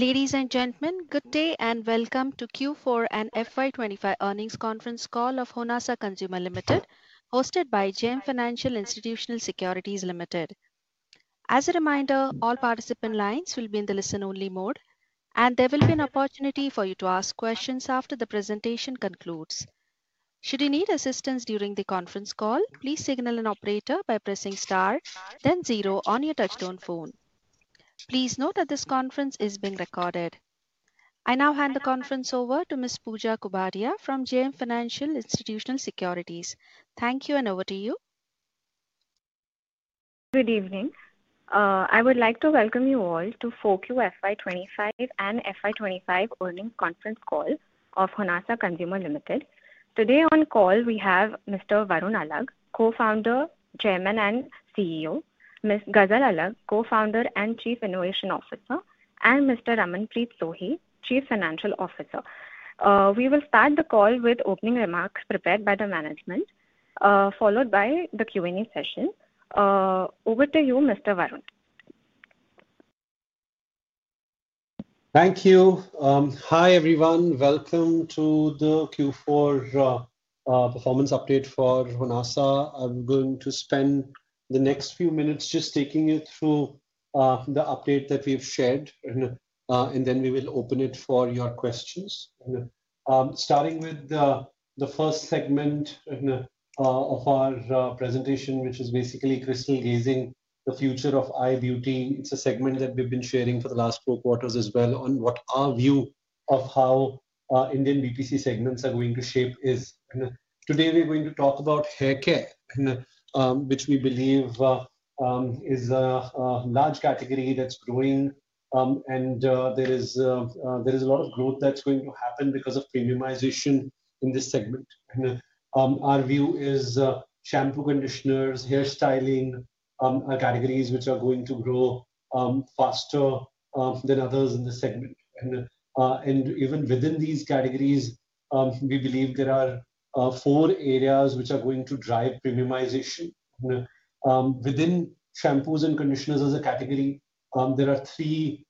Ladies and gentlemen, good day and welcome to Q4 and FY 2025 earnings conference call of Honasa Consumer Limited, hosted by JM Financial Institutional Securities Ltd. As a reminder, all participant lines will be in the listen-only mode, and there will be an opportunity for you to ask questions after the presentation concludes. Should you need assistance during the conference call, please signal an operator by pressing star, then zero on your touchstone phone. Please note that this conference is being recorded. I now hand the conference over to Ms. Pooja Kubadia from JM Financial Institutional Securities. Thank you, and over to you. Good evening. I would like to welcome you all to the FY 2025 earnings conference call of Honasa Consumer Ltd. Today on call, we have Mr. Varun Alagh, Co-founder, Chairman and CEO; Ms. Ghazal Alagh, Co-founder and Chief Innovation Officer; and Mr. Ramanpreet Sohi, Chief Financial Officer. We will start the call with opening remarks prepared by the management, followed by the Q&A session. Over to you, Mr. Varun. Thank you. Hi, everyone. Welcome to the Q4 performance update for Honasa. I'm going to spend the next few minutes just taking you through the update that we've shared, and then we will open it for your questions. Starting with the 1st segment of our presentation, which is basically crystal gazing the future of eye beauty. It's a segment that we've been sharing for the last four quarters as well on what our view of how Indian BPC segments are going to shape is. Today, we're going to talk about hair care, which we believe is a large category that's growing, and there is a lot of growth that's going to happen because of premiumization in this segment. Our view is shampoo, conditioners, hairstyling categories which are going to grow faster than others in the segment. Even within these categories, we believe there are four areas which are going to drive premiumization. Within shampoos and conditioners as a category, there are three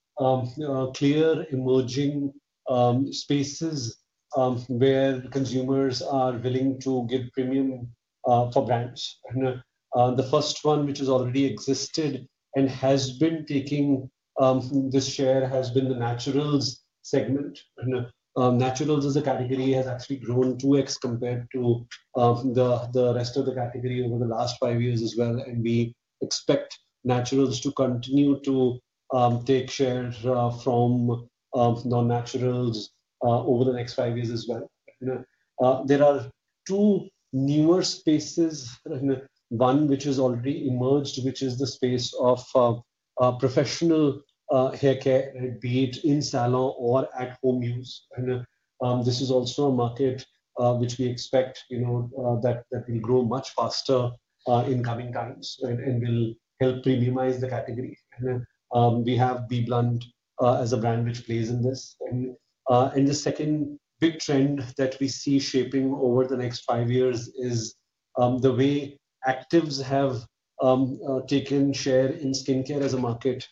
clear emerging spaces where consumers are willing to give premium for brands. The 1st one, which has already existed and has been taking this share, has been the naturals segment. Naturals as a category has actually grown 2x compared to the rest of the category over the last five years as well, and we expect naturals to continue to take share from non-naturals over the next five years as well. There are two newer spaces, one which has already emerged, which is the space of professional hair care, be it in salon or at home use. This is also a market which we expect that will grow much faster in coming times and will help premiumize the category. We have Bee Blunt as a brand which plays in this. The 2nd big trend that we see shaping over the next five years is the way actives have taken share in skincare as a market.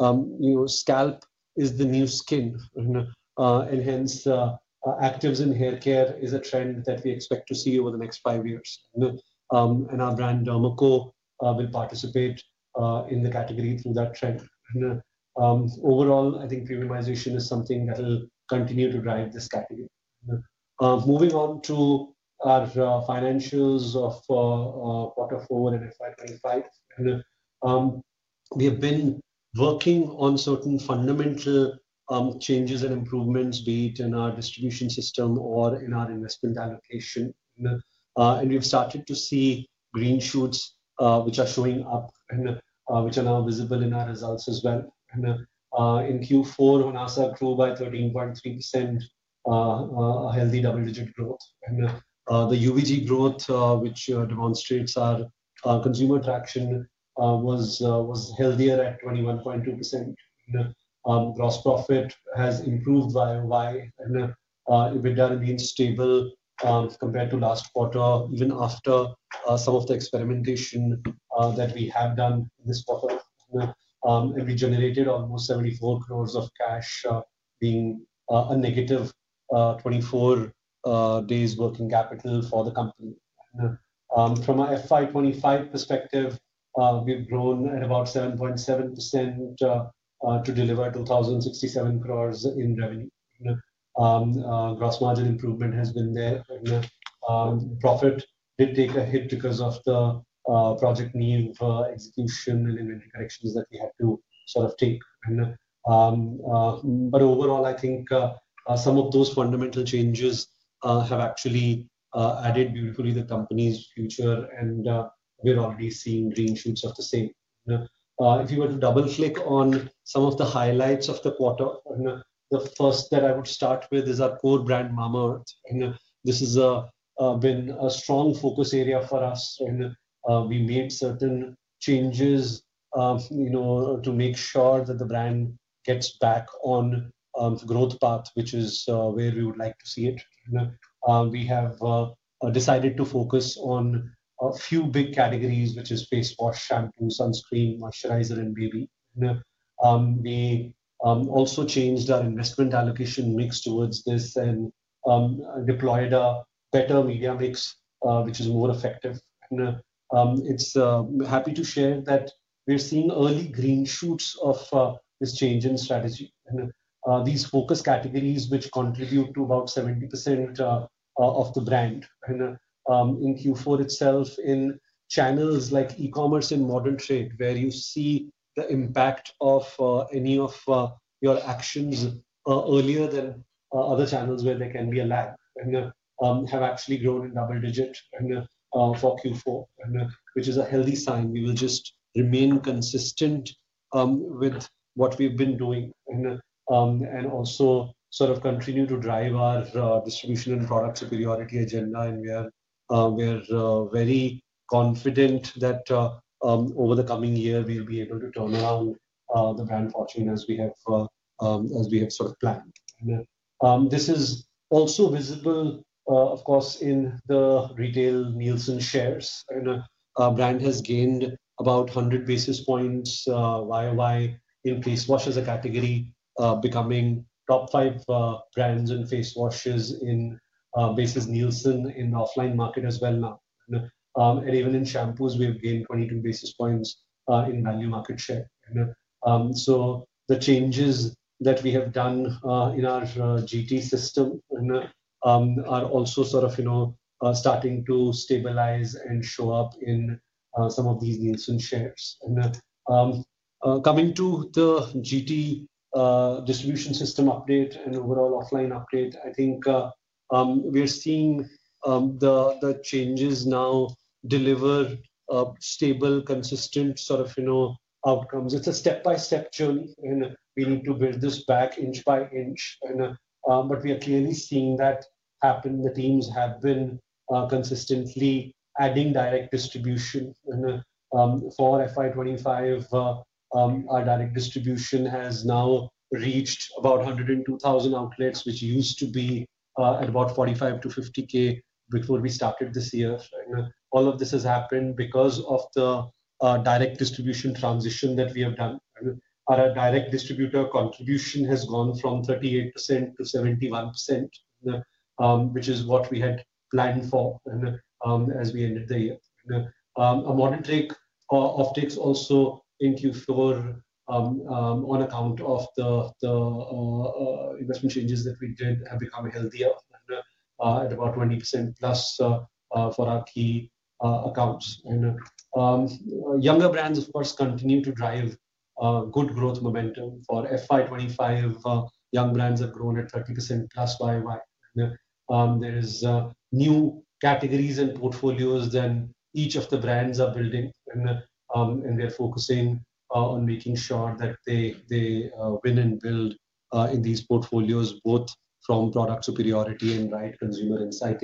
Scalp is the new skin, and hence actives in hair care is a trend that we expect to see over the next five years. Our brand The Derma Co will participate in the category through that trend. Overall, I think premiumization is something that will continue to drive this category. Moving on to our financials of quarter four and FY 2025, we have been working on certain fundamental changes and improvements, be it in our distribution system or in our investment allocation. We have started to see green shoots which are showing up, which are now visible in our results as well. In Q4, Honasa grew by 13.3%, a healthy double-digit growth. The UVG growth, which demonstrates our consumer traction, was healthier at 21.2%. Gross profit has improved by YoY, and EBITDA stable compared to last quarter, even after some of the experimentation that we have done this quarter. We generated almost 74 crore of cash being a negative 24 days working capital for the company. From an FY 2025 perspective, we have grown at about 7.7% to deliver 2,067 crore in revenue. Gross margin improvement has been there. Profit did take a hit because of the project need for execution and inventory corrections that we had to sort of take. Overall, I think some of those fundamental changes have actually added beautifully to the company's future, and we are already seeing green shoots of the same. If you were to double-click on some of the highlights of the quarter, the 1st that I would start with is our core brand, Mamaearth. This has been a strong focus area for us, and we made certain changes to make sure that the brand gets back on the growth path, which is where we would like to see it. We have decided to focus on a few big categories, which are face wash, shampoo, sunscreen, moisturizer, and baby. We also changed our investment allocation mix towards this and deployed a better media mix, which is more effective. It's happy to share that we're seeing early green shoots of this change in strategy. These focus categories, which contribute to about 70% of the brand. In Q4 itself, in channels like e-commerce and modern trade, where you see the impact of any of your actions earlier than other channels where there can be a lag, have actually grown in double digit for Q4, which is a healthy sign. We will just remain consistent with what we've been doing, and also sort of continue to drive our distribution and product superiority agenda. We are very confident that over the coming year, we will be able to turn around the brand fortune as we have sort of planned. This is also visible, of course, in the retail Nielsen shares. Our brand has gained about 100 basis points YoY in face wash as a category, becoming top five brands in face washes in basis Nielsen in the offline market as well now. Even in shampoos, we have gained 22 basis points in value market share. The changes that we have done in our GT system are also sort of starting to stabilize and show up in some of these Nielsen shares. Coming to the GT distribution system update and overall offline update, I think we're seeing the changes now deliver stable, consistent sort of outcomes. It's a step-by-step journey, and we need to build this back inch by inch. We are clearly seeing that happen. The teams have been consistently adding direct distribution. For FY 2025, our direct distribution has now reached about 102,000 outlets, which used to be at about 45,000-50,000 before we started this year. All of this has happened because of the direct distribution transition that we have done. Our direct distributor contribution has gone from 38%-71%, which is what we had planned for as we ended the year. A modern trade uptick also in Q4 on account of the investment changes that we did have become healthier at about 20%+ for our key accounts. Younger brands, of course, continue to drive good growth momentum. For FY 2025, young brands have grown at 30%+ YoY. There are new categories and portfolios that each of the brands are building, and they're focusing on making sure that they win and build in these portfolios, both from product superiority and right consumer insight.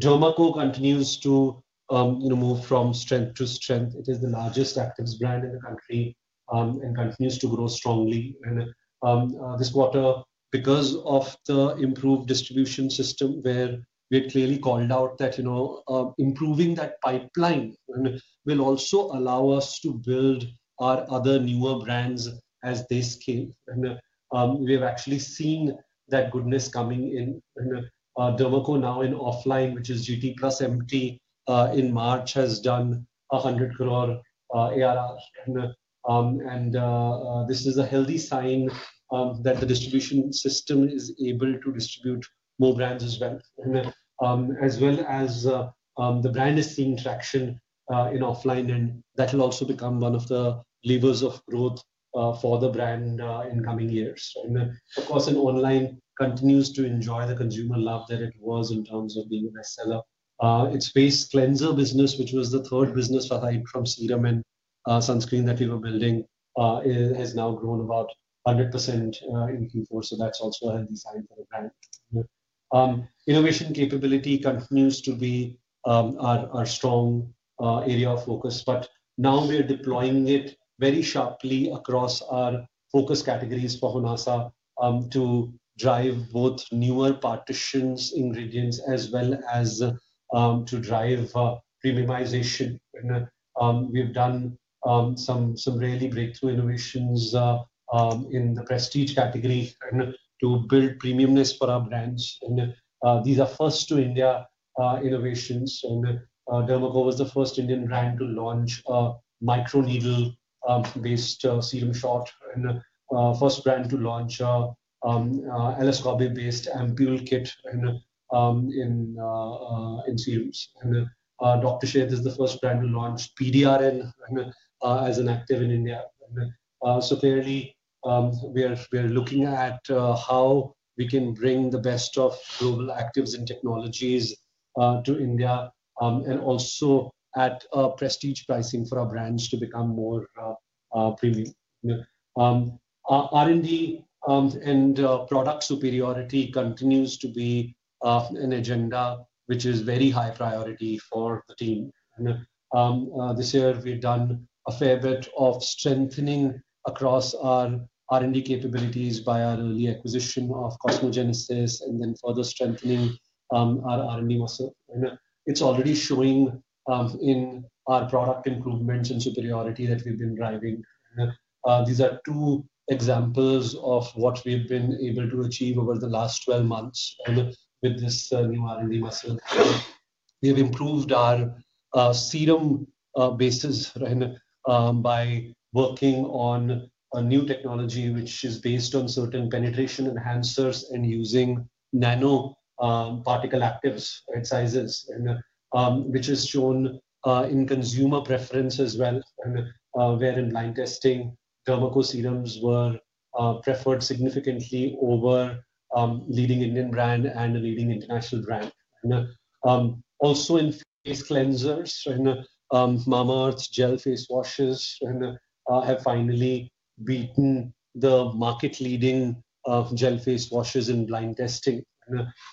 Derma Co continues to move from strength to strength. It is the largest actives brand in the country and continues to grow strongly. This quarter, because of the improved distribution system, where we had clearly called out that improving that pipeline will also allow us to build our other newer brands as they scale. We have actually seen that goodness coming in. Derma Co now in offline, which is GT plus MT in March, has done 100 crore ARR. This is a healthy sign that the distribution system is able to distribute more brands as well, as well as the brand is seeing traction in offline, and that will also become one of the levers of growth for the brand in coming years. Of course, online continues to enjoy the consumer love that it was in terms of being a bestseller. Its face cleanser business, which was the 3rd business for it after serum and sunscreen that we were building, has now grown about 100% in Q4. That is also a healthy sign for the brand. Innovation capability continues to be our strong area of focus, but now we are deploying it very sharply across our focus categories for Honasa to drive both newer partitions, ingredients, as well as to drive premiumization. We've done some really breakthrough innovations in the prestige category to build premiumness for our brands. These are 1st-to-India innovations. Derma Co was the 1st Indian brand to launch a microneedle-based serum shot and the 1st brand to launch an LSCOBY-based ampoule kit in serums. Dr. Sheth's is the 1st brand to launch PDRN as an active in India. Clearly, we are looking at how we can bring the best of global actives and technologies to India, and also at prestige pricing for our brands to become more premium. R&D and product superiority continues to be an agenda which is very high priority for the team. This year, we've done a fair bit of strengthening across our R&D capabilities by our early acquisition of Cosmogenesis and then further strengthening our R&D muscle. It's already showing in our product improvements and superiority that we've been driving. These are two examples of what we've been able to achieve over the last 12 months with this new R&D muscle. We have improved our serum basis by working on a new technology which is based on certain penetration enhancers and using nanoparticle actives sizes, which has shown in consumer preference as well, where in blind testing, Derma Co serums were preferred significantly over a leading Indian brand and a leading international brand. Also, in face cleansers, Mamaearth's gel face washes have finally beaten the market-leading gel face washes in blind testing.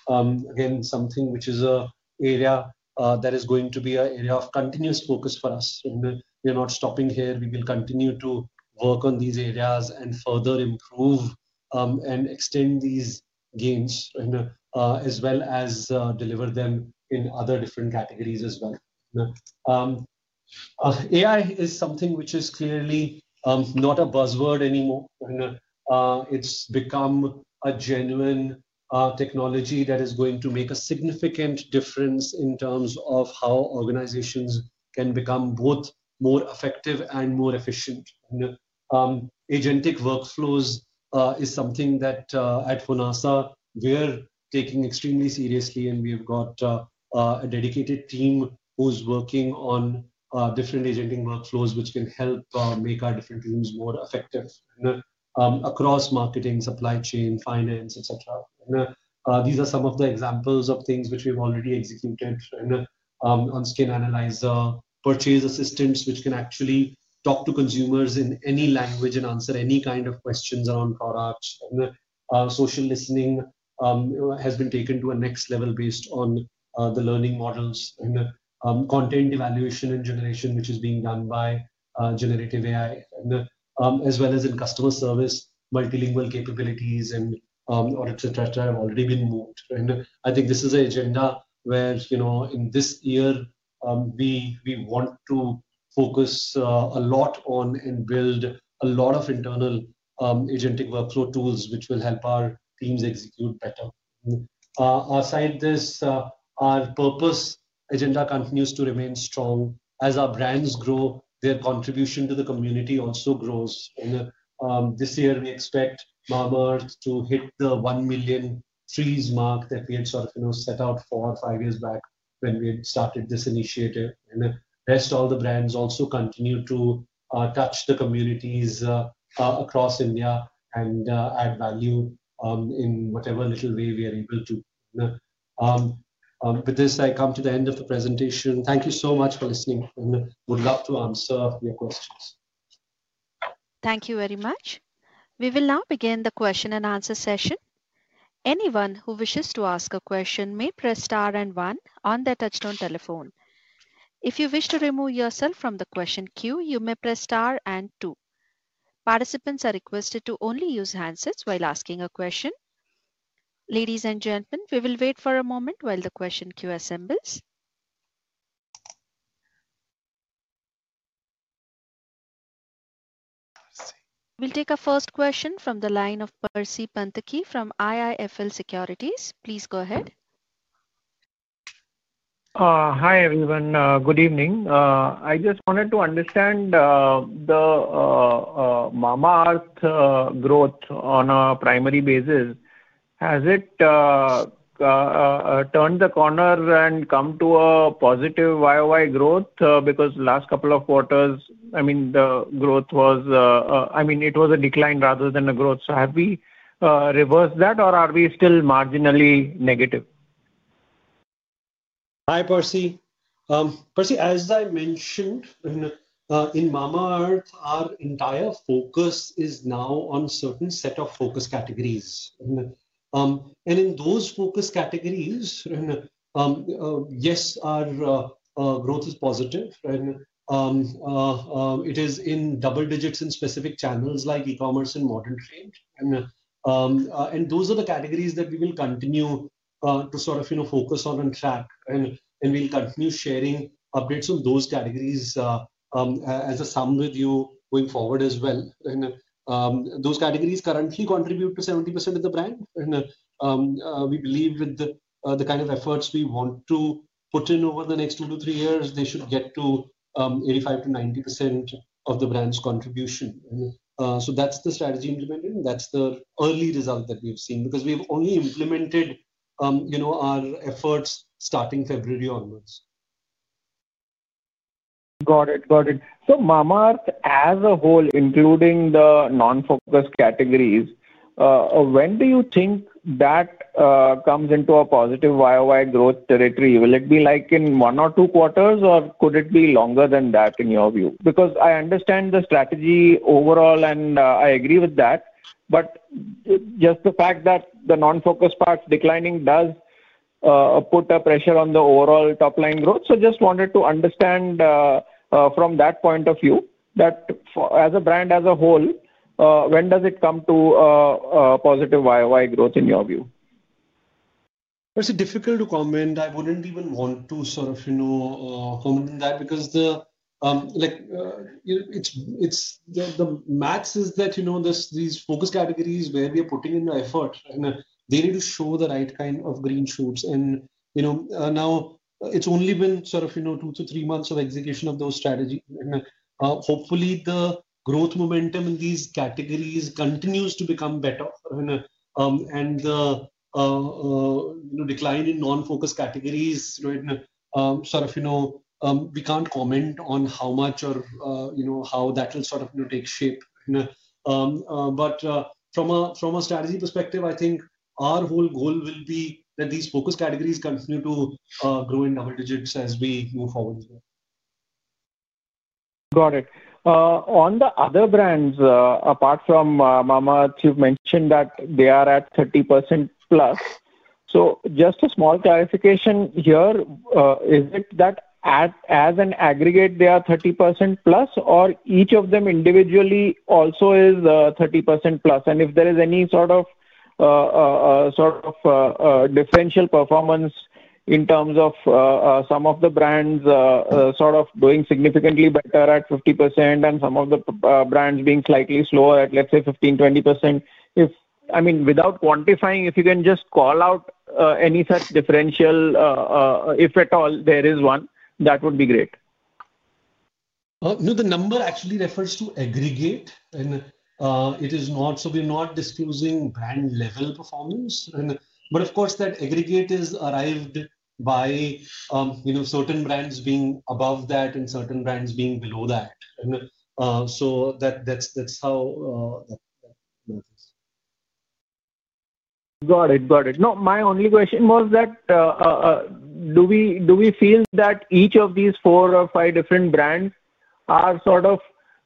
Again, something which is an area that is going to be an area of continuous focus for us. We're not stopping here. We will continue to work on these areas and further improve and extend these gains, as well as deliver them in other different categories as well. AI is something which is clearly not a buzzword anymore. It's become a genuine technology that is going to make a significant difference in terms of how organizations can become both more effective and more efficient. Agentic workflows is something that at Honasa, we're taking extremely seriously, and we have got a dedicated team who's working on different agentic workflows which can help make our different teams more effective across marketing, supply chain, finance, etc. These are some of the examples of things which we've already executed on: skin analyzer, purchase assistance, which can actually talk to consumers in any language and answer any kind of questions around products. Social listening has been taken to a next level based on the learning models, and content evaluation and generation, which is being done by generative AI, as well as in customer service, multilingual capabilities, etc. have already been moved. I think this is an agenda where in this year, we want to focus a lot on and build a lot of internal agentic workflow tools which will help our teams execute better. Aside this, our purpose agenda continues to remain strong. As our brands grow, their contribution to the community also grows. This year, we expect Mamaearth to hit the 1 million trees mark that we had sort of set out for five years back when we had started this initiative. The rest of the brands also continue to touch the communities across India, and add value in whatever little way we are able to. With this, I come to the end of the presentation. Thank you so much for listening. Would love to answer your questions. Thank you very much. We will now begin the question and answer session. Anyone who wishes to ask a question may press star and one on their touchstone telephone. If you wish to remove yourself from the question queue, you may press star and two. Participants are requested to only use handsets while asking a question. Ladies and gentlemen, we will wait for a moment while the question queue assembles. We'll take a 1st question from the line of Percy Panthaki from IIFL SECURITIES. Please go ahead. Hi everyone. Good evening. I just wanted to understand the Mamaearth growth on a primary basis. Has it turned the corner and come to a positive YoY growth? Because last couple of quarters, I mean, the growth was, I mean, it was a decline rather than a growth. So have we reversed that, or are we still marginally negative? Hi Percy. Percy, as I mentioned, in Mamaearth, our entire focus is now on a certain set of focus categories. In those focus categories, yes, our growth is positive. It is in double digits in specific channels like e-commerce and modern trade. Those are the categories that we will continue to sort of focus on and track. We will continue sharing updates on those categories as a sum with you going forward as well. Those categories currently contribute to 70% of the brand. We believe with the kind of efforts we want to put in over the next two to three years, they should get to 85%-90% of the brand's contribution. That is the strategy implemented. That is the early result that we have seen because we have only implemented our efforts starting February onwards. Got it. Got it. Mamaearth as a whole, including the non-focused categories, when do you think that comes into a positive YoY growth territory? Will it be like in one or two quarters, or could it be longer than that in your view? I understand the strategy overall, and I agree with that. Just the fact that the non-focused parts declining does put pressure on the overall top-line growth. I just wanted to understand from that point of view that as a brand as a whole, when does it come to a positive YoY growth in your view? Percy, difficult to comment. I would not even want to sort of comment on that because the max is that these focus categories where we are putting in the effort, they need to show the right kind of green shoots. It has only been sort of two to three months of execution of those strategies. Hopefully, the growth momentum in these categories continues to become better. The decline in non-focused categories, sort of we cannot comment on how much or how that will sort of take shape. From a strategy perspective, I think our whole goal will be that these focus categories continue to grow in double digits as we move forward. Got it. On the other brands, apart from Mamaearth, you have mentioned that they are at 30%+. Just a small clarification here. Is it that as an aggregate, they are 30%+, or each of them individually also is 30%+? If there is any sort of differential performance in terms of some of the brands doing significantly better at 50% and some of the brands being slightly slower at, let's say, 15%-20%, I mean, without quantifying, if you can just call out any such differential, if at all there is one, that would be great. The number actually refers to aggregate, and it is not. We are not disclosing brand-level performance. Of course, that aggregate is arrived at by certain brands being above that and certain brands being below that. That is how that is. Got it. Got it. No, my only question was that do we feel that each of these four or five different brands are sort of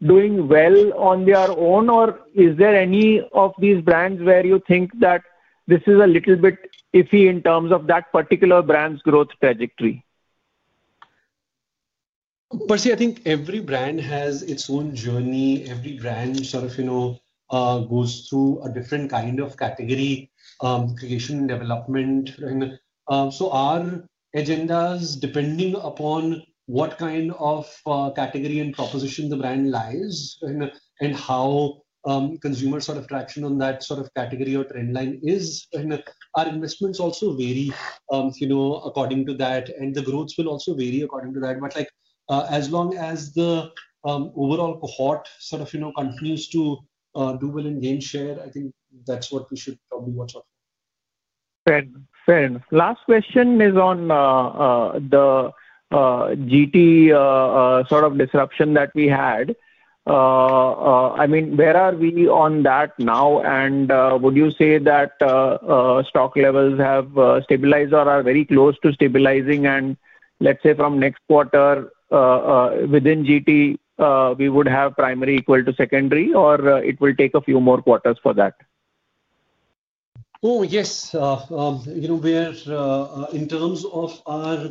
doing well on their own, or is there any of these brands where you think that this is a little bit iffy in terms of that particular brand's growth trajectory? Percy, I think every brand has its own journey. Every brand sort of goes through a different kind of category creation and development. Our agendas, depending upon what kind of category and proposition the brand lies, and how consumer sort of traction on that sort of category or trend line is, our investments also vary according to that. The growth will also vary according to that. As long as the overall cohort sort of continues to do well and gain share, I think that's what we should probably watch out for. Fair. Fair. Last question is on the GT sort of disruption that we had. I mean, where are we on that now? Would you say that stock levels have stabilized or are very close to stabilizing? Let's say from next quarter, within GT, we would have primary equal to secondary, or it will take a few more quarters for that? Oh, yes. In terms of our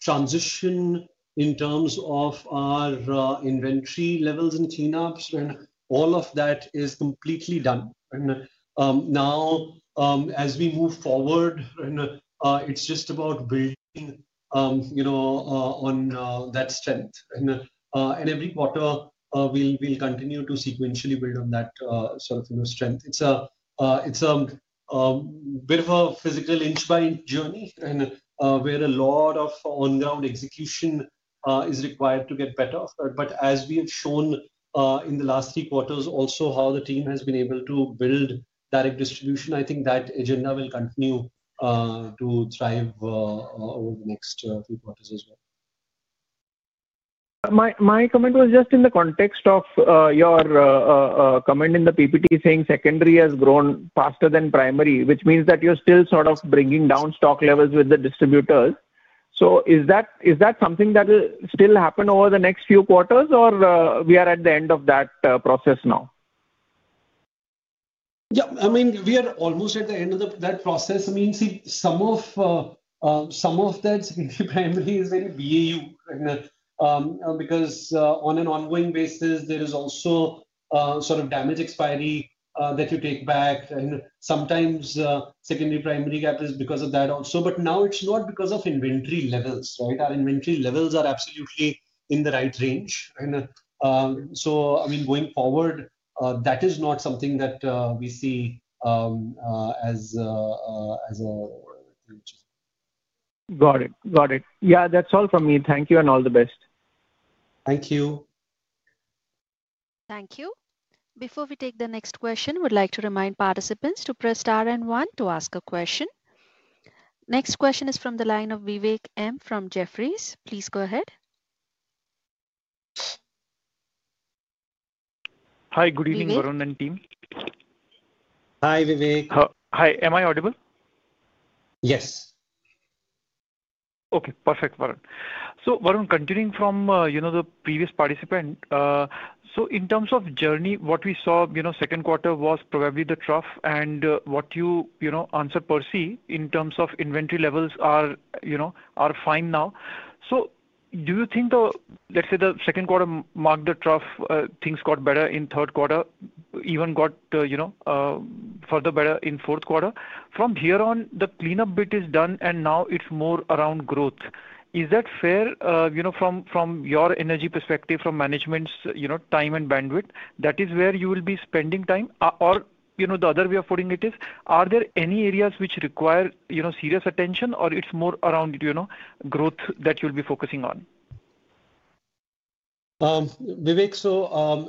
transition, in terms of our inventory levels and cleanups, all of that is completely done. Now, as we move forward, it's just about building on that strength. Every quarter, we'll continue to sequentially build on that sort of strength. It's a bit of a physical inch-by-inch journey where a lot of on-ground execution is required to get better. As we have shown in the last three quarters also how the team has been able to build direct distribution, I think that agenda will continue to thrive over the next three quarters as well. My comment was just in the context of your comment in the PPT saying secondary has grown faster than primary, which means that you are still sort of bringing down stock levels with the distributors. Is that something that will still happen over the next few quarters, or are we at the end of that process now? Yeah. I mean, we are almost at the end of that process. I mean, see, some of that secondary primary is very BAU because on an ongoing basis, there is also sort of damage expiry that you take back. Sometimes secondary primary gap is because of that also. But now it is not because of inventory levels, right? Our inventory levels are absolutely in the right range. I mean, going forward, that is not something that we see as a. Got it. Got it. Yeah, that is all from me. Thank you and all the best. Thank you. Thank you. Before we take the next question, we would like to remind participants to press star and one to ask a question. Next question is from the line of Vivek M from Jefferies. Please go ahead. Hi, good evening, Varun and team. Hi, Vivek. Hi. Am I audible? Yes. Okay. Perfect, Varun. Varun, continuing from the previous participant, in terms of journey, what we saw second quarter was probably the trough. What you answered, Percy, in terms of inventory levels are fine now. Do you think, let's say, the second quarter marked the trough, things got better in third quarter, even got further better in fourth quarter? From here on, the cleanup bit is done, and now it's more around growth. Is that fair from your energy perspective, from management's time and bandwidth, that is where you will be spending time. The other way of putting it is, are there any areas which require serious attention, or it's more around growth that you'll be focusing on? Vivek,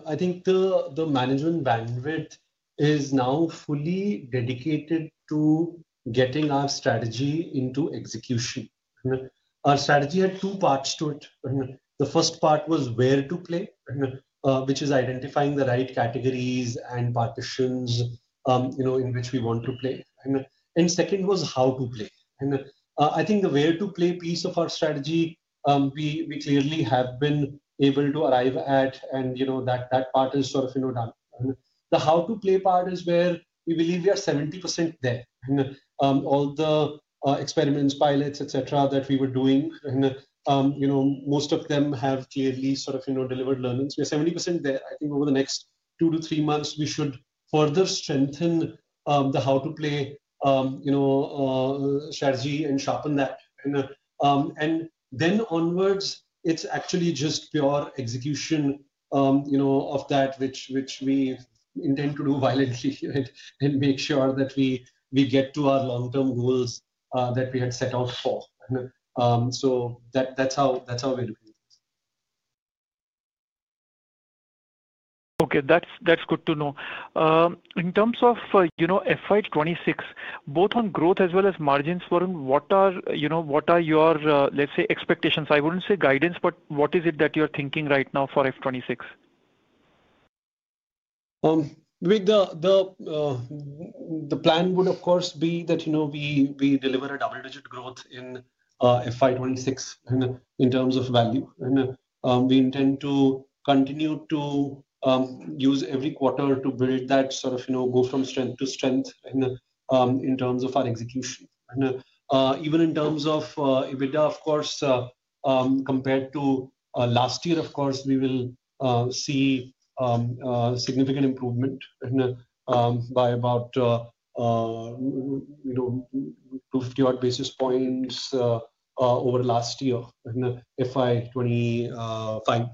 I think the management bandwidth is now fully dedicated to getting our strategy into execution. Our strategy had two parts to it. The 1st part was where to play, which is identifying the right categories, and partitions in which we want to play. The 2nd was how to play. I think the where to play piece of our strategy, we clearly have been able to arrive at, and that part is sort of done. The how to play part is where we believe we are 70% there. All the experiments, pilots, etc., that we were doing, most of them have clearly sort of delivered learnings. We are 70% there. I think over the next two to three months, we should further strengthen the how to play strategy and sharpen that. Then onwards, it's actually just pure execution of that, which we intend to do violently and make sure that we get to our long-term goals that we had set out for. That's how we're doing things. Okay. That's good to know. In terms of FY 2026, both on growth as well as margins, Varun, what are your, let's say, expectations? I would not say guidance, but what is it that you are thinking right now for FY 2026? The plan would, of course, be that we deliver double-digit growth in FY 2026 in terms of value. We intend to continue to use every quarter to build that, sort of go from strength to strength in terms of our execution. Even in terms of EBITDA, of course, compared to last year, we will see significant improvement by about 250 basis points over last year, FY 2025.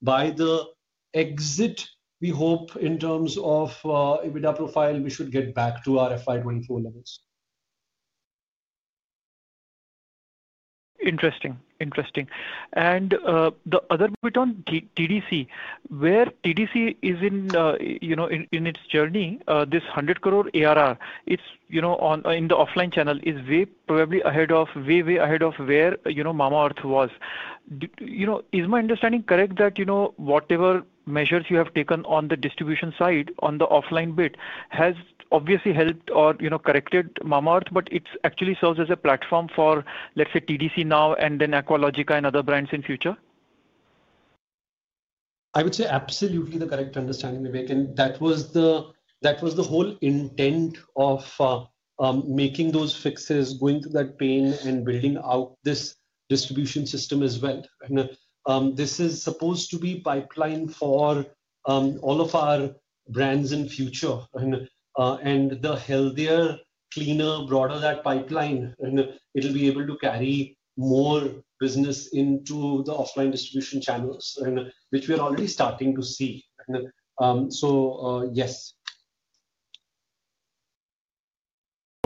By the exit, we hope in terms of EBITDA profile, we should get back to our FY 2024 levels. Interesting. Interesting. The other bit on TDC, where TDC is in its journey, this 100 crore ARR in the offline channel is way, probably ahead of, way, way ahead of where Mamaearth was. Is my understanding correct that whatever measures you have taken on the distribution side on the offline bit has obviously helped or corrected Mamaearth, but it actually serves as a platform for, let's say, TDC now and then Aqualogica and other brands in future? I would say absolutely the correct understanding, Vivek. That was the whole intent of making those fixes, going through that pain, and building out this distribution system as well. This is supposed to be pipeline for all of our brands in future. The healthier, cleaner, broader that pipeline, it'll be able to carry more business into the offline distribution channels, which we are already starting to see. Yes.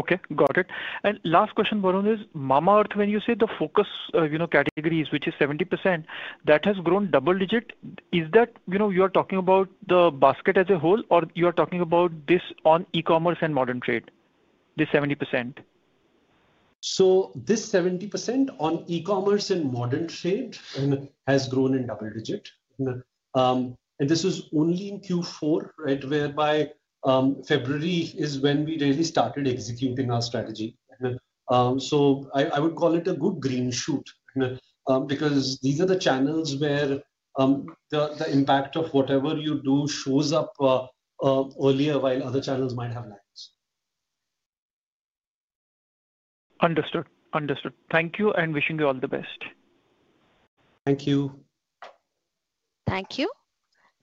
Okay. Got it. Last question, Varun, is Mamaearth, when you say the focus categories, which is 70%, that has grown double-digit, is that you are talking about the basket as a whole, or you are talking about this on e-commerce and modern trade? This 70%. This 70% on e-commerce and modern trade has grown in double digit. This was only in Q4, whereby February is when we really started executing our strategy. I would call it a good green shoot because these are the channels where the impact of whatever you do shows up earlier while other channels might have lags. Understood. Understood. Thank you and wishing you all the best. Thank you. Thank you.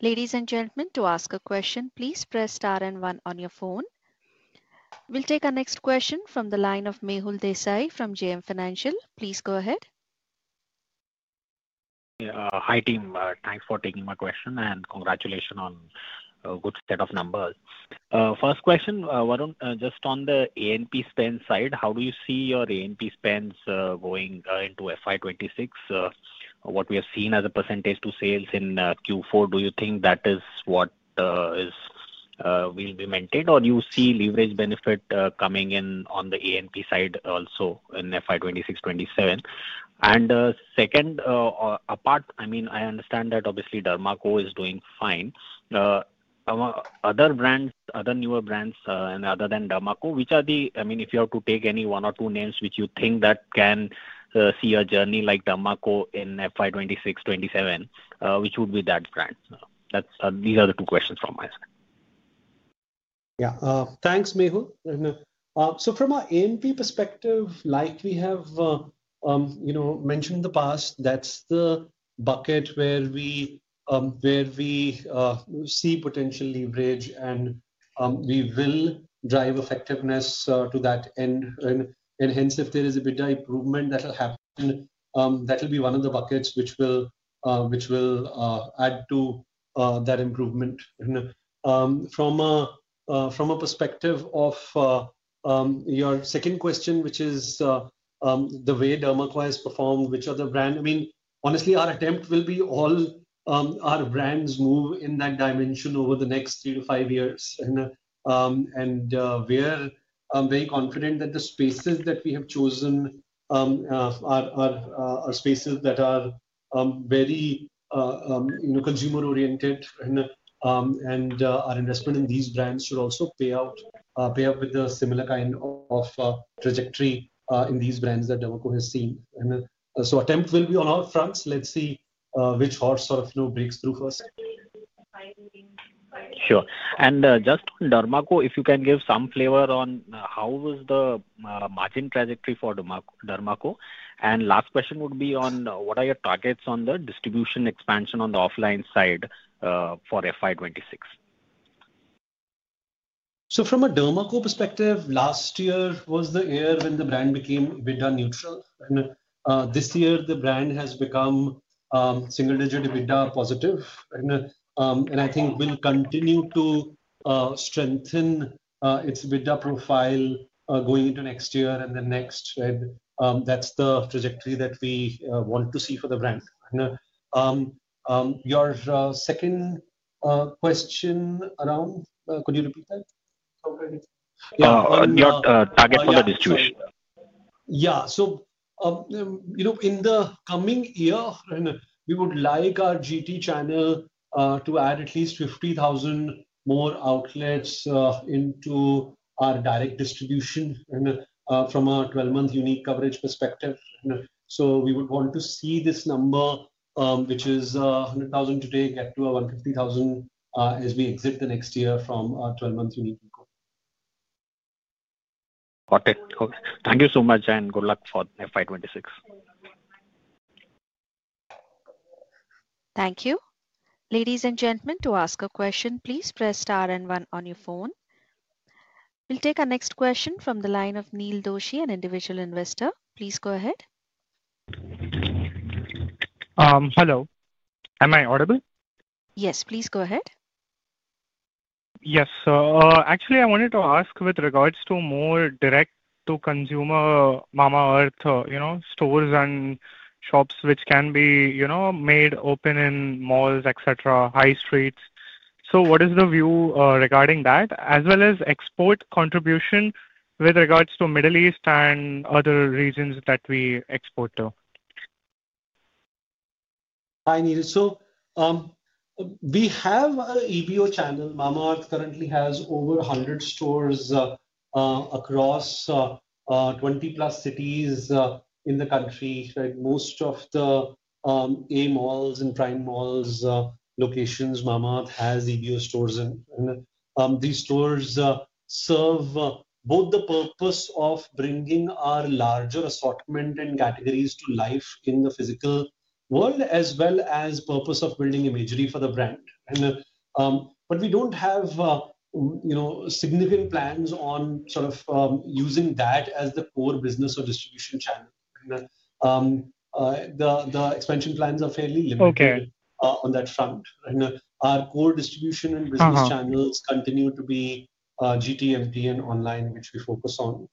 Ladies and gentlemen, to ask a question, please press star and one on your phone. We'll take our next question from the line of Mehul Desai from JM Financial. Please go ahead. Hi team. Thanks for taking my question and congratulations on a good set of numbers. 1st question, Varun, just on the A&P spend side, how do you see your A&P spends going into FY 2026? What we have seen as a percentage to sales in Q4, do you think that is what will be maintained, or do you see leverage benefit coming in on the A&P side also in FY 2026, 2027? 2nd, apart, I mean, I understand that obviously Derma Co is doing fine. Other newer brands other than Derma Co, which are the, I mean, if you have to take any one or two names which you think that can see a journey like Derma Co in FY 2026, 2027, which would be that brand? These are the two questions from my side. Yeah. Thanks, Mehul. From our A&P perspective, like we have mentioned in the past, that's the bucket where we see potential leverage, and we will drive effectiveness to that end. If there is a bit of improvement that will happen, that will be one of the buckets which will add to that improvement. From a perspective of your 2nd question, which is the way Derma Co has performed, which other brand? I mean, honestly, our attempt will be all our brands move in that dimension over the next three to five years. We are very confident that the spaces that we have chosen are spaces that are very consumer-oriented, and our investment in these brands should also pay out with a similar kind of trajectory in these brands that Derma Co has seen. Attempt will be on all fronts. Let's see which horse sort of breaks through 1st. Sure. Just on Derma Co, if you can give some flavor on how was the margin trajectory for Derma Co. Last question would be on what are your targets on the distribution expansion on the offline side for FY 2026? From a Derma Co perspective, last year was the year when the brand became EBITDA neutral. This year, the brand has become single-digit EBITDA positive. I think we'll continue to strengthen its EBITDA profile going into next year and the next. That's the trajectory that we want to see for the brand. Your 2nd question around, could you repeat that? Yeah. Your target for the distribution. In the coming year, we would like our GT channel to add at least 50,000 more outlets into our direct distribution from a 12-month unique coverage perspective. We would want to see this number, which is 100,000 today, get to 150,000 as we exit the next year from our 12-month unique growth. Got it. Thank you so much, and good luck for FY 2026. Thank you. Ladies and gentlemen, to ask a question, please press star and one on your phone. We'll take our next question from the line of Neil Doshi, an individual investor. Please go ahead. Hello. Am I audible? Yes. Please go ahead. Yes. Actually, I wanted to ask with regards to more direct-to-consumer Mamaearth stores and shops, which can be made open in malls, etc., high streets. What is the view regarding that, as well as export contribution with regards to Middle East and other regions that we export to? Hi, Neil. We have an EBO channel. Mamaearth currently has over 100 stores across 20-plus cities in the country. Most of the A-malls and prime mall locations, Mamaearth has EBO stores. These stores serve both the purpose of bringing our larger assortment and categories to life in the physical world, as well as the purpose of building imagery for the brand. We do not have significant plans on sort of using that as the core business or distribution channel. The expansion plans are fairly limited on that front. Our core distribution and business channels continue to be GT, MT, and online, which we focus on.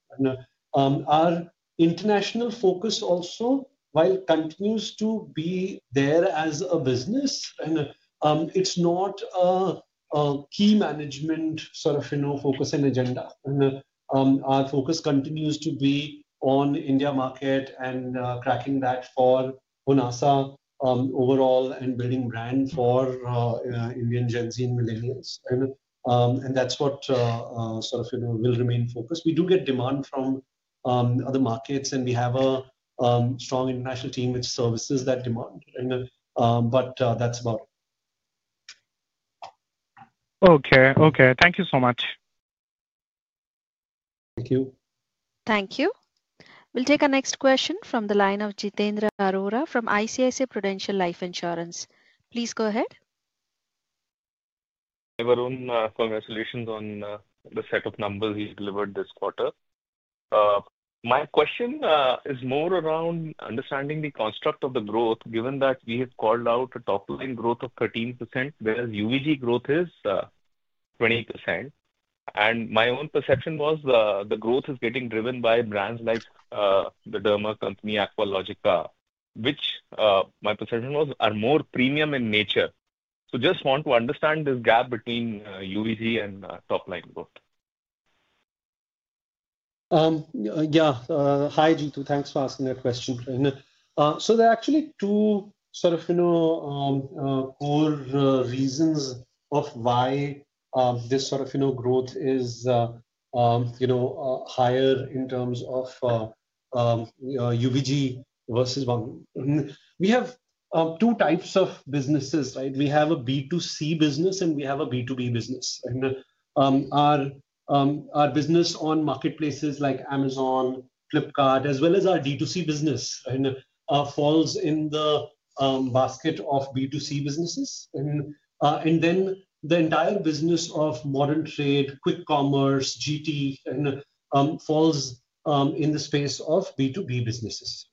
Our international focus also, while it continues to be there as a business, is not a key management sort of focus and agenda. Our focus continues to be on India market and cracking that for Honasa overall and building brand for Indian Gen Z and millennials. That is what sort of will remain focused. We do get demand from other markets, and we have a strong international team which services that demand. That is about it. Okay. Okay. Thank you so much. Thank you. Thank you. We will take our next question from the line of Jitendra Arora from ICICI Prudential Life Insurance. Please go ahead. Hi, Varun. Congratulations on the set of numbers you delivered this quarter. My question is more around understanding the construct of the growth, given that we have called out a top-line growth of 13%, whereas UVG growth is 20%. My own perception was the growth is getting driven by brands like Derma Co, Aqualogica, which, my perception was, are more premium in nature. I just want to understand this gap between UVG and top-line growth. Yeah. Hi, Jitu. Thanks for asking the question. There are actually two sort of core reasons of why this sort of growth is higher in terms of UVG versus one. We have two types of businesses, right? We have a B2C business, and we have a B2B business. Our business on marketplaces like Amazon, Flipkart, as well as our D2C business, falls in the basket of B2C businesses. The entire business of modern trade, quick commerce, GT, falls in the space of B2B businesses.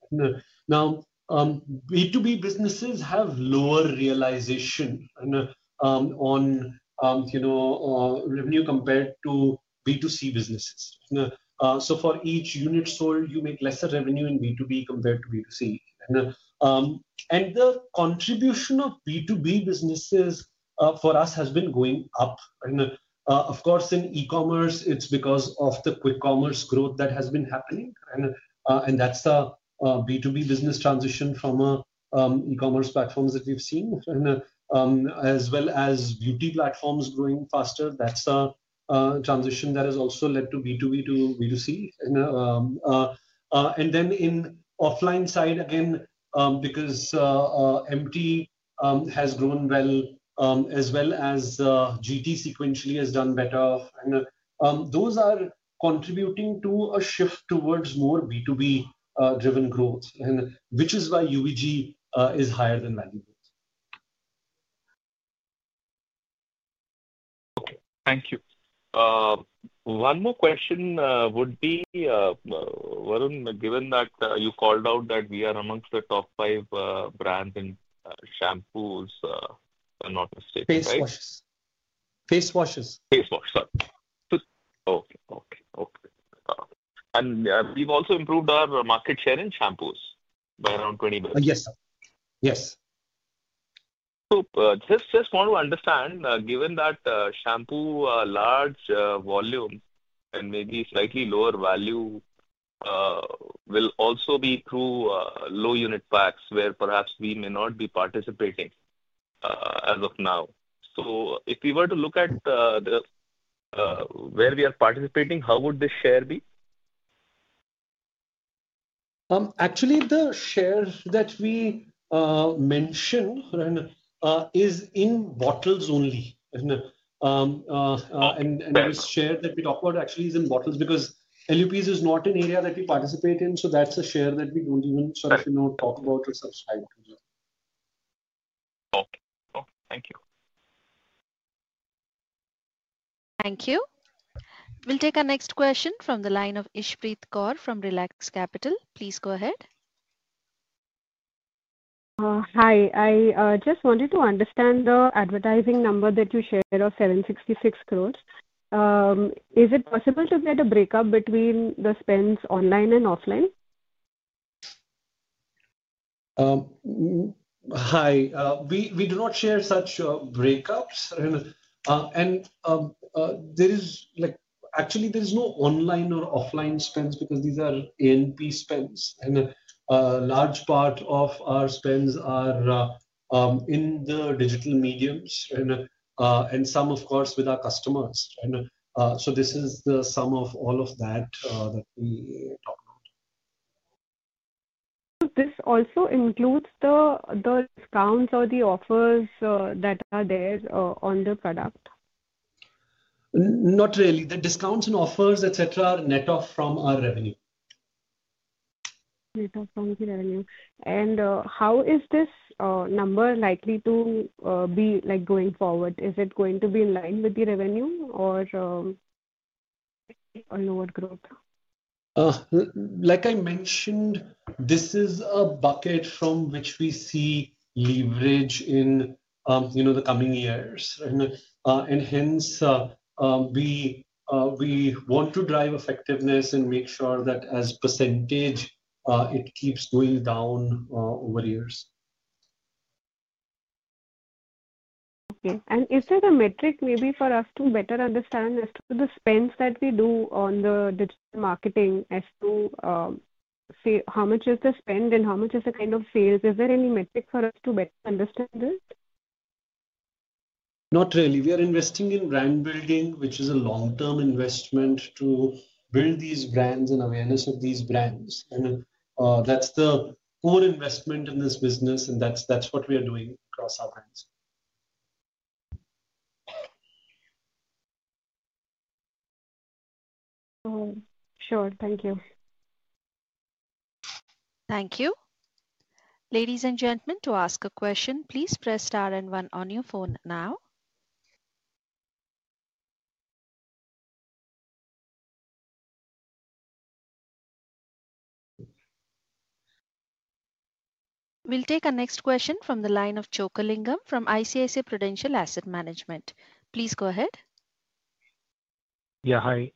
Now, B2B businesses have lower realization on revenue compared to B2C businesses. For each unit sold, you make lesser revenue in B2B compared to B2C. The contribution of B2B businesses for us has been going up. Of course, in e-commerce, it is because of the quick commerce growth that has been happening. That's the B2B business transition from e-commerce platforms that we've seen, as well as beauty platforms growing faster. That transition has also led to B2B to B2C. In offline side, again, because MT has grown well, as well as GT sequentially has done better. Those are contributing to a shift towards more B2B-driven growth, which is why UVG is higher than value. Okay. Thank you. One more question would be, Varun, given that you called out that we are amongst the top five brands in shampoos, if I'm not mistaken. Face washes. Face washes. Face washes. Okay. Okay. Okay. We've also improved our market share in shampoos by around 20%. Yes, sir. Yes. Just want to understand, given that shampoo large volume and maybe slightly lower value will also be through low-unit packs, where perhaps we may not be participating as of now. If we were to look at where we are participating, how would this share be? Actually, the share that we mention is in bottles only. This share that we talk about actually is in bottles because LUPs is not an area that we participate in. That is a share that we do not even sort of talk about or subscribe to. Thank you. Thank you. We will take our next question from the line of Ishpreet Kaur from Relax Capital. Please go ahead. Hi. I just wanted to understand the advertising number that you shared of 766 crore. Is it possible to get a breakup between the spends online and offline? Hi. We do not share such breakups. Actually, there is no online or offline spends because these are A&P spends. A large part of our spends are in the digital mediums and some, of course, with our customers. This is the sum of all of that that we talk about. Does this also include the discounts or the offers that are there on the product? Not really. The discounts and offers, etc., are net off from our revenue. Net off from the revenue. How is this number likely to be going forward? Is it going to be in line with the revenue or lower growth? Like I mentioned, this is a bucket from which we see leverage in the coming years. Hence, we want to drive effectiveness and make sure that as a percentage, it keeps going down over years. Okay. Is there a metric maybe for us to better understand as to the spends that we do on the digital marketing as to how much is the spend and how much is the kind of sales? Is there any metric for us to better understand this? Not really. We are investing in brand building, which is a long-term investment to build these brands and awareness of these brands. That is the core investment in this business, and that is what we are doing across our brands. Sure. Thank you. Thank you. Ladies and gentlemen, to ask a question, please press star and one on your phone now. We will take our next question from the line of Chockalingam from ICICI Prudential Asset Management. Please go ahead. Yeah. Hi.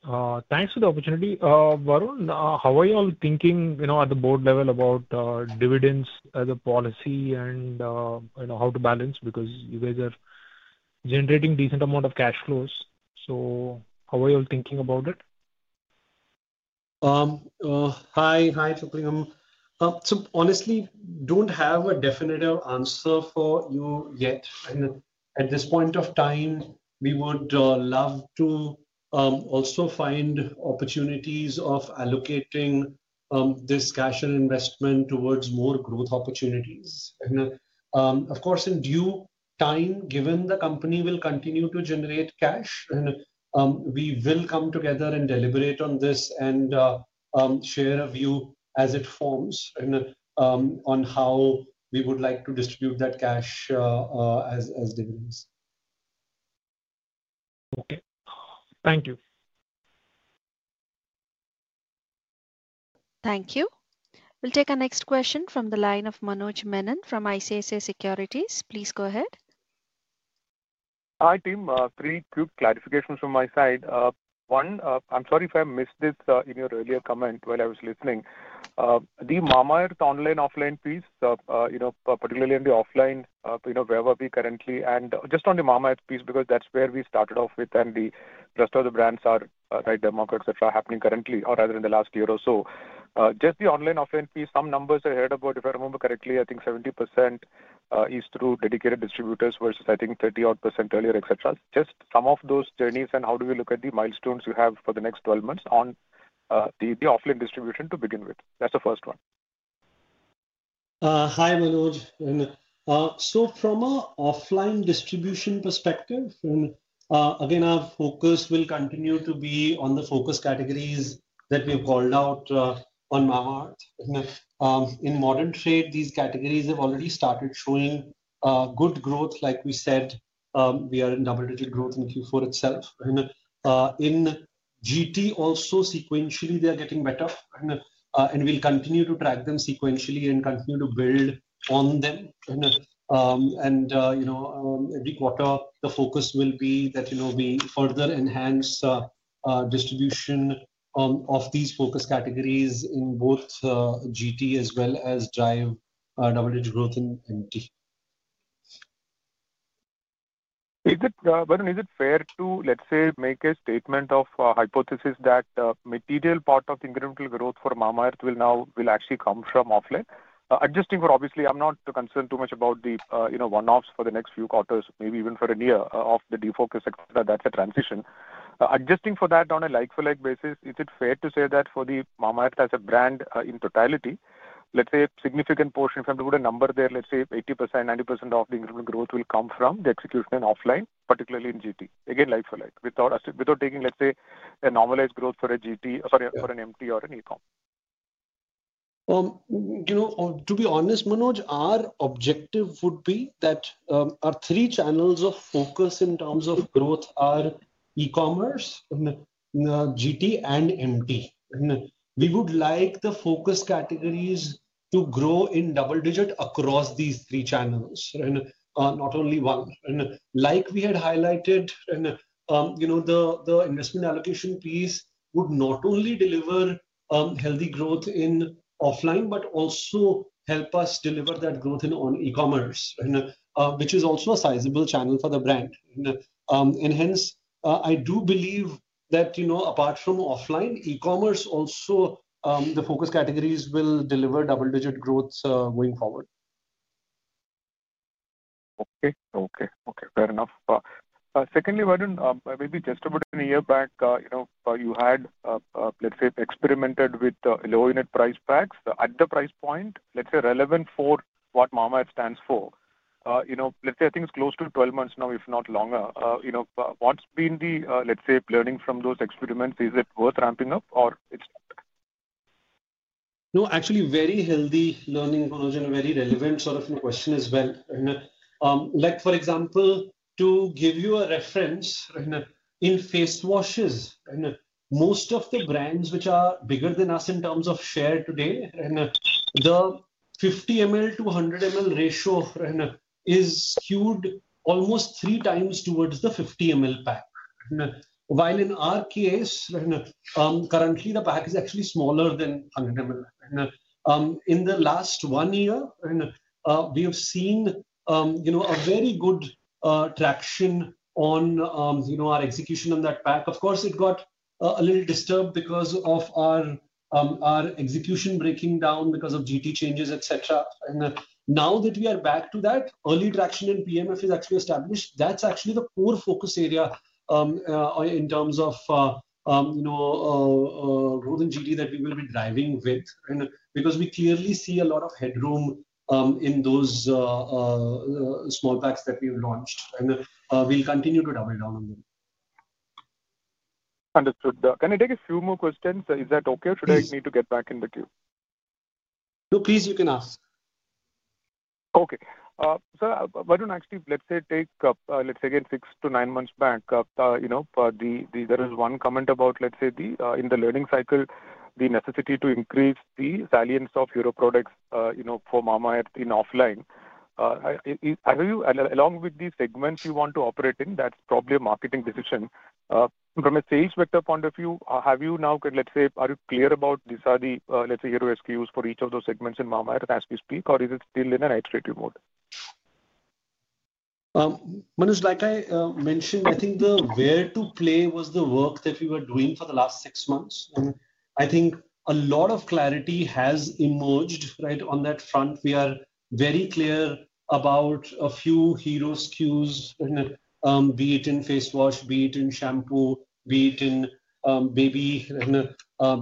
Thanks for the opportunity. Varun, how are you all thinking at the board level about dividends as a policy and how to balance? Because you guys are generating a decent amount of cash flows. So how are you all thinking about it? Hi. Hi, Chockalingam. So honestly, I don't have a definitive answer for you yet. At this point of time, we would love to also find opportunities of allocating this cash and investment towards more growth opportunities. Of course, in due time, given the company will continue to generate cash, we will come together and deliberate on this and share a view as it forms on how we would like to distribute that cash as dividends. Okay. Thank you. Thank you. We'll take our next question from the line of Manoj Menon from ICICI Securities. Please go ahead. Hi, team. Three quick clarifications from my side. One, I'm sorry if I missed this in your earlier comment while I was listening. The Mamaearth online-offline piece, particularly in the offline, wherever we currently and just on the Mamaearth piece because that's where we started off with, and the rest of the brands are Derma Co, etc., happening currently, or rather in the last year or so. Just the online-offline piece, some numbers I heard about, if I remember correctly, I think 70% is through dedicated distributors versus, I think, 30-odd percent earlier, etc. Just some of those journeys and how do we look at the milestones you have for the next 12 months on the offline distribution to begin with? That's the 1st one. Hi, Manoj. From an offline distribution perspective, again, our focus will continue to be on the focus categories that we have called out on Mamaearth. In modern trade, these categories have already started showing good growth. Like we said, we are in double-digit growth in Q4 itself. In GT, also sequentially, they are getting better. We will continue to track them sequentially and continue to build on them. Every quarter, the focus will be that we further enhance distribution of these focus categories in both GT as well as drive double-digit growth in MT. Is it fair to, let's say, make a statement of hypothesis that the material part of incremental growth for Mamaearth will actually come from offline? Obviously, I'm not concerned too much about the one-offs for the next few quarters, maybe even for a year of the defocus, etc., that's a transition. Adjusting for that on a like-for-like basis, is it fair to say that for the Mamaearth as a brand in totality, let's say, a significant portion, if I'm to put a number there, let's say 80%, 90% of the incremental growth will come from the execution in offline, particularly in GT? Again, like-for-like, without taking, let's say, a normalized growth for a GT, sorry, for an MT or an e-com? To be honest, Manoj, our objective would be that our three channels of focus in terms of growth are e-commerce, GT, and MT. We would like the focus categories to grow in double-digit across these three channels, not only one. Like we had highlighted, the investment allocation piece would not only deliver healthy growth in offline but also help us deliver that growth in e-commerce, which is also a sizable channel for the brand. I do believe that apart from offline, e-commerce also the focus categories will deliver double-digit growth going forward. Okay. Okay. Okay. Fair enough. Secondly, Varun, maybe just about a year back, you had, let's say, experimented with low-unit price packs at the price point, let's say, relevant for what Mamaearth stands for. Let's say, I think it's close to 12 months now, if not longer. What's been the, let's say, learning from those experiments? Is it worth ramping up or it's not? No, actually, very healthy learning, Manoj, and very relevant sort of question as well. For example, to give you a reference, in face washes, most of the brands which are bigger than us in terms of share today, the 50 ml to 100 ml ratio is skewed almost three times towards the 50 ml pack. While in our case, currently, the pack is actually smaller than 100 ml. In the last one year, we have seen a very good traction on our execution on that pack. Of course, it got a little disturbed because of our execution breaking down because of GT changes, etc. Now that we are back to that, early traction in PMF is actually established. That's actually the core focus area in terms of growth in GT that we will be driving with because we clearly see a lot of headroom in those small packs that we have launched. We'll continue to double down on them. Understood. Can I take a few more questions? Is that okay, or should I need to get back in the queue? No, please, you can ask. Okay. Varun, actually, let's say, take up, let's say, again, six to nine months back, there is one comment about, let's say, in the learning cycle, the necessity to increase the salience of hero products for Mamaearth in offline. Along with these segments you want to operate in, that's probably a marketing decision. From a sales vector point of view, have you now, let's say, are you clear about these are the, let's say, hero SKUs for each of those segments in Mamaearth as we speak, or is it still in an iterative mode? Manoj, like I mentioned, I think the where to play was the work that we were doing for the last six months. I think a lot of clarity has emerged right on that front. We are very clear about a few hero SKUs, be it in face wash, be it in shampoo, be it in baby,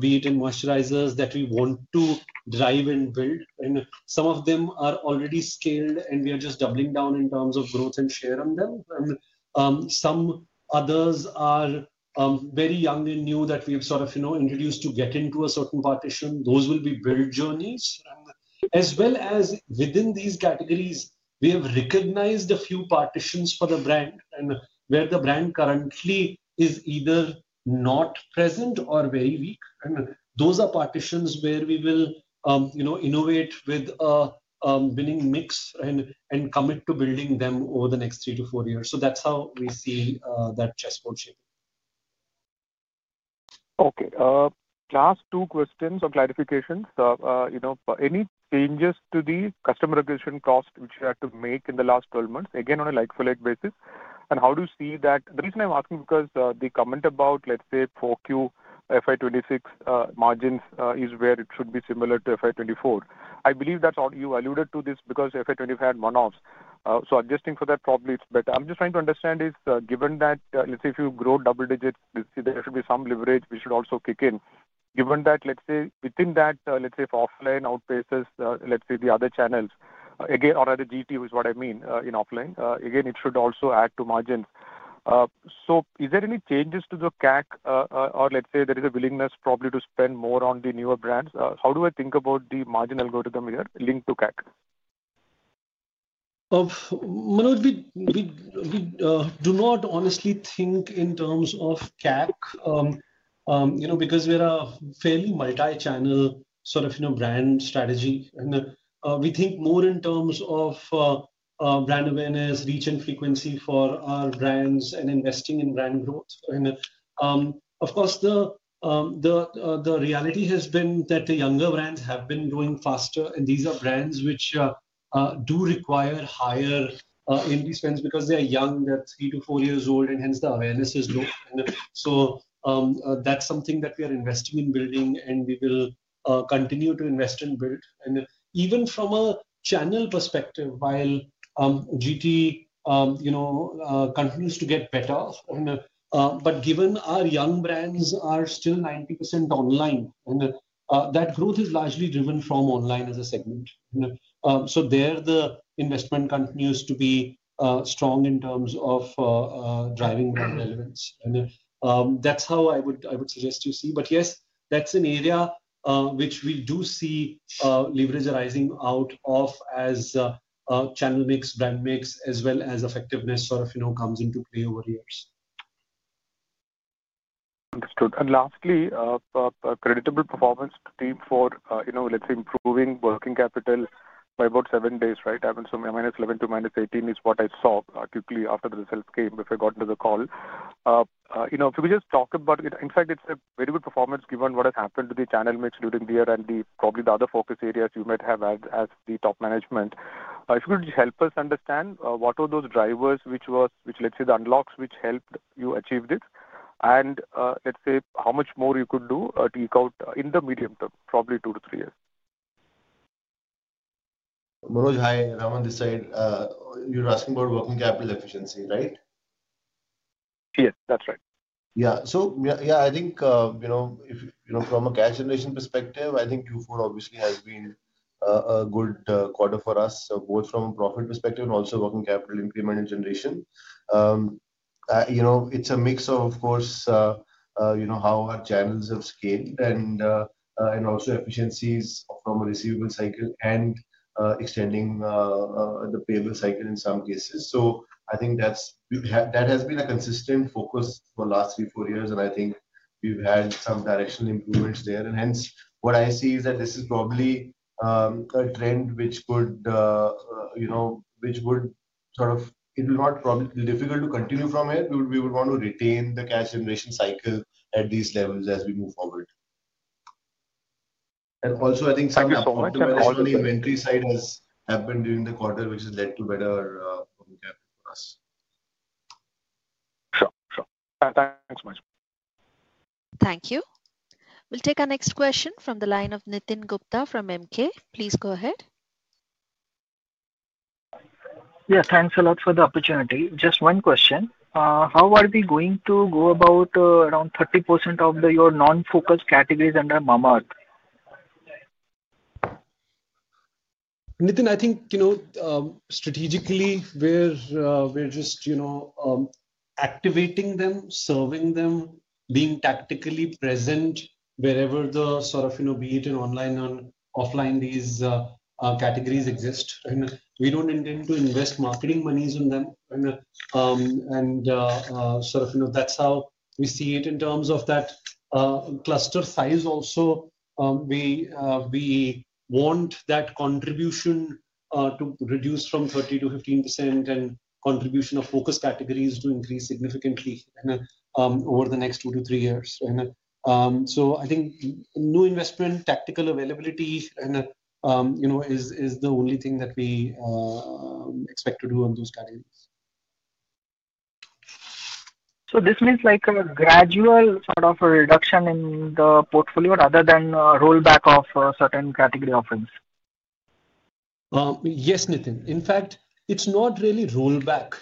be it in moisturizers that we want to drive and build. Some of them are already scaled, and we are just doubling down in terms of growth and share on them. Some others are very young and new that we have sort of introduced to get into a certain partition. Those will be build journeys. As well as within these categories, we have recognized a few partitions for the brand where the brand currently is either not present or very weak. Those are partitions where we will innovate with a winning mix and commit to building them over the next three to four years. That is how we see that chessboard shaping. Okay. Last two questions or clarifications. Any changes to the customer acquisition cost which you had to make in the last 12 months? Again, on a like-for-like basis. How do you see that? The reason I'm asking is because the comment about, let's say, 4Q FY 2026 margins is where it should be similar to FY 2024. I believe that's all. You alluded to this because FY 2024 had one-offs. Adjusting for that, probably it's better. I'm just trying to understand is given that, let's say, if you grow double-digit, there should be some leverage we should also kick in. Given that, let's say, within that, let's say, offline outpaces, let's say, the other channels, again, or rather GT is what I mean in offline, again, it should also add to margins. Is there any changes to the CAC, or let's say, there is a willingness probably to spend more on the newer brands? How do I think about the margin algorithm here linked to CAC? Manoj, we do not honestly think in terms of CAC because we are a fairly multi-channel sort of brand strategy. We think more in terms of brand awareness, reach, and frequency for our brands and investing in brand growth. Of course, the reality has been that the younger brands have been growing faster, and these are brands which do require higher A&P spends because they are young. They are three to four years old, and hence the awareness is low. That is something that we are investing in building, and we will continue to invest and build. Even from a channel perspective, while GT continues to get better, given our young brands are still 90% online, that growth is largely driven from online as a segment. There, the investment continues to be strong in terms of driving brand relevance. That is how I would suggest you see it. Yes, that is an area which we do see leverage arising out of as channel mix, brand mix, as well as effectiveness sort of comes into play over years. Understood. Lastly, creditable performance to the team for, let's say, improving working capital by about seven days, right? -11 to -18 is what I saw quickly after the results came before I got into the call. If we could just talk about, in fact, it's a very good performance given what has happened to the channel mix during the year and probably the other focus areas you might have as the top management. If you could help us understand what were those drivers, let's say, the unlocks which helped you achieve this, and let's say, how much more you could do to kick out in the medium term, probably two to three years? Manoj, hi. I'm on this side. You're asking about working capital efficiency, right? Yes, that's right. Yeah. Yeah, I think from a cash generation perspective, I think Q4 obviously has been a good quarter for us, both from a profit perspective and also working capital increment and generation. It's a mix of, of course, how our channels have scaled and also efficiencies from a receivable cycle and extending the payable cycle in some cases. I think that has been a consistent focus for the last three, four years, and I think we've had some directional improvements there. Hence, what I see is that this is probably a trend which would sort of, it will not probably be difficult to continue from here. We would want to retain the cash generation cycle at these levels as we move forward. Also, I think some of the inventory side has happened during the quarter, which has led to better working capital for us. Sure. Sure. Thanks, Manoj. Thank you. We'll take our next question from the line of Nitin Gupta from MK. Please go ahead. Yes, thanks a lot for the opportunity. Just one question. How are we going to go about around 30% of your non-focus categories under Mamaearth? Nitin, I think strategically, we're just activating them, serving them, being tactically present wherever the sort of, be it in online or offline, these categories exist. We don't intend to invest marketing monies in them. That's how we see it in terms of that cluster size. Also, we want that contribution to reduce from 30%-15% and contribution of focus categories to increase significantly over the next two to three years. I think new investment, tactical availability, is the only thing that we expect to do on those categories. This means like a gradual sort of reduction in the portfolio rather than rollback of certain category offerings? Yes, Nitin. In fact, it's not really rollback.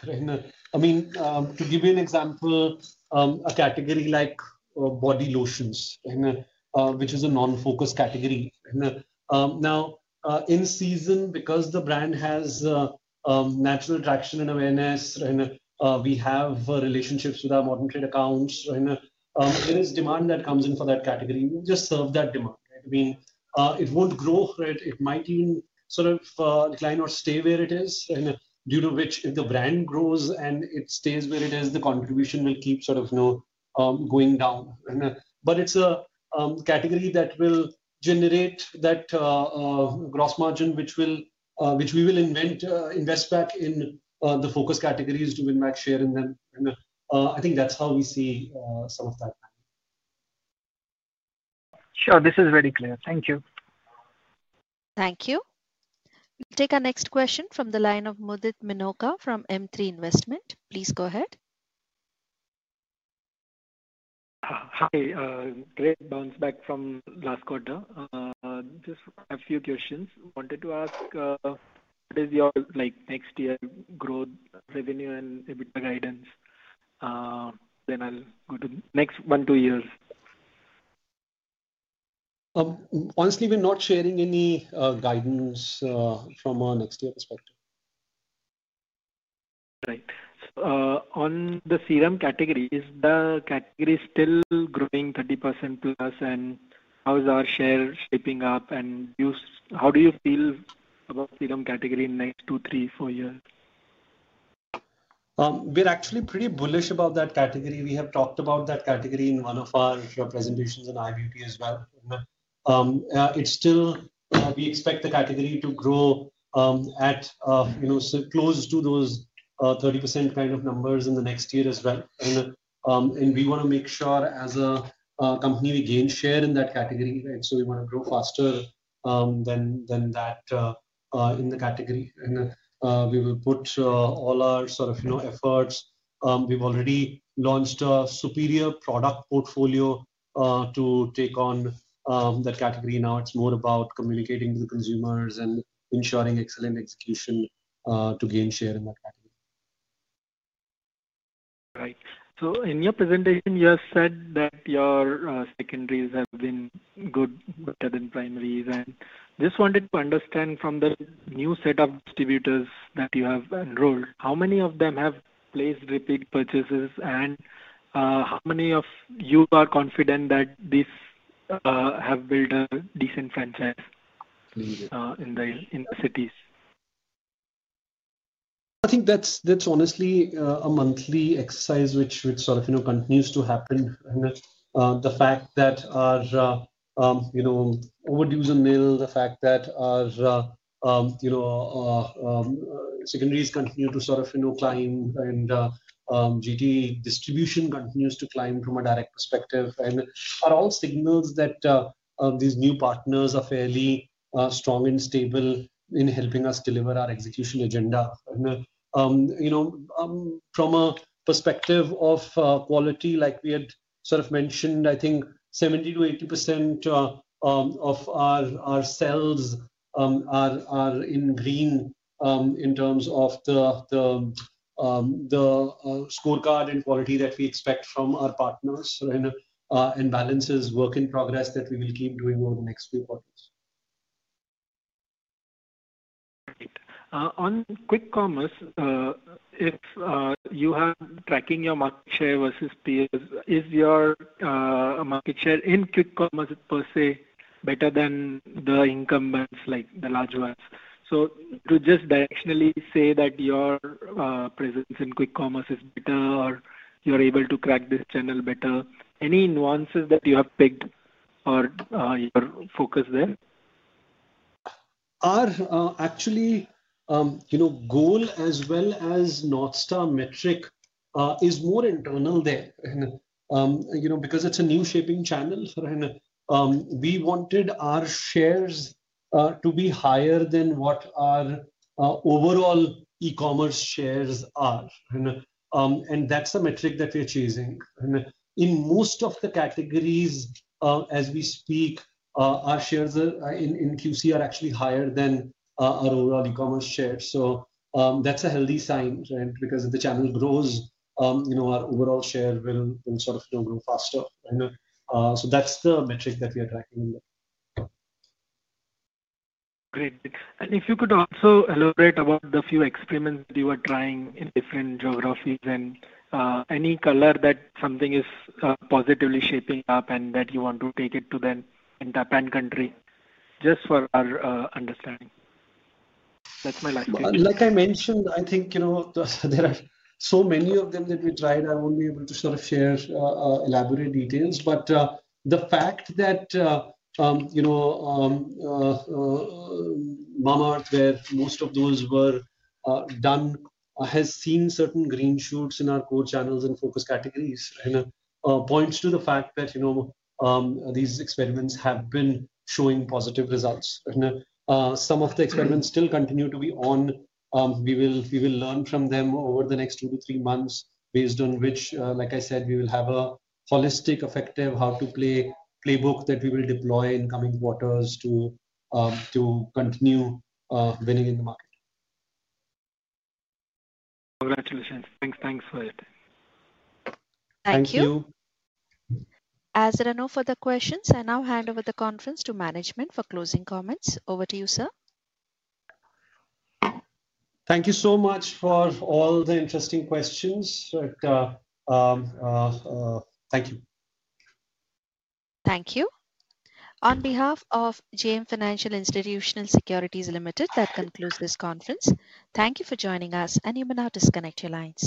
I mean, to give you an example, a category like body lotions, which is a non-focus category. Now, in season, because the brand has natural traction and awareness, we have relationships with our modern trade accounts. There is demand that comes in for that category. We'll just serve that demand. I mean, it won't grow, right? It might even sort of decline or stay where it is, due to which if the brand grows and it stays where it is, the contribution will keep sort of going down. It is a category that will generate that gross margin, which we will invest back in the focus categories to win back share. I think that's how we see some of that. Sure. This is very clear. Thank you. Thank you. We'll take our next question from the line of Mudit Minocha from M3 Investment. Please go ahead. Hi. Great bounce back from last quarter. Just a few questions. Wanted to ask, what is your next year growth revenue and EBITDA guidance? Then I'll go to next one, two years. Honestly, we're not sharing any guidance from our next year perspective. Right. On the serum category, is the category still growing 30% and how is our share shaping up? And how do you feel about serum category in the next two, three, four years? We're actually pretty bullish about that category. We have talked about that category in one of our presentations on IBP as well. We expect the category to grow close to those 30% kind of numbers in the next year as well. We want to make sure as a company, we gain share in that category. We want to grow faster than that in the category. We will put all our sort of efforts. We have already launched a superior product portfolio to take on that category. Now it is more about communicating to the consumers and ensuring excellent execution to gain share in that category. Right. In your presentation, you have said that your secondaries have been good, better than primaries. I just wanted to understand from the new set of distributors that you have enrolled, how many of them have placed repeat purchases, and how many of you are confident that these have built a decent franchise in the cities? I think that is honestly a monthly exercise which sort of continues to happen. The fact that our overdue is a mill, the fact that our secondaries continue to sort of climb, and GT distribution continues to climb from a direct perspective, are all signals that these new partners are fairly strong and stable in helping us deliver our execution agenda. From a perspective of quality, like we had sort of mentioned, I think 70%-80% of our sales are in green in terms of the scorecard and quality that we expect from our partners, and balance is work in progress that we will keep doing over the next few quarters. Right. On quick commerce, if you are tracking your market share versus peers, is your market share in quick commerce per se better than the incumbents like the large ones? To just directionally say that your presence in quick commerce is better or you're able to crack this channel better, any nuances that you have picked or your focus there? Our actual goal as well as Northstar metric is more internal there because it's a new shaping channel. We wanted our shares to be higher than what our overall e-commerce shares are. That's the metric that we're choosing. In most of the categories as we speak, our shares in QC are actually higher than our overall e-commerce shares. That's a healthy sign because if the channel grows, our overall share will sort of grow faster. That's the metric that we are tracking. Great. If you could also elaborate about the few experiments that you were trying in different geographies, and any color that something is positively shaping up and that you want to take it to then in Japan country, just for our understanding. That is my last question. Like I mentioned, I think there are so many of them that we tried. I will not be able to sort of share elaborate details. The fact that Mamaearth, where most of those were done, has seen certain green shoots in our core channels and focus categories points to the fact that these experiments have been showing positive results. Some of the experiments still continue to be on. We will learn from them over the next two to three months based on which, like I said, we will have a holistic effective how-to-play playbook that we will deploy in coming quarters to continue winning in the market. Congratulations. Thanks for it. Thank you. Thank you. As there are no further questions, I now hand over the conference to management for closing comments. Over to you, sir. Thank you so much for all the interesting questions. Thank you. Thank you. On behalf of JM Financial Institutional Securities Ltd, that concludes this conference. Thank you for joining us, and you may now disconnect your lines.